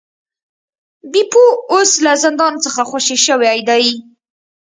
بیپو اوس له زندان څخه خوشې شوی دی.